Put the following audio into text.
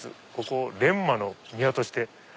ここを錬磨の庭として」。